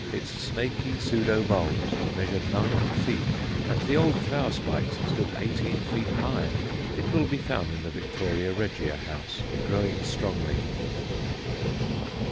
Its snakey pseudo bulbs measure nine feet, and the old flower spikes stood eighteen feet high. It will be found in the Victoria Regia house, growing strongly.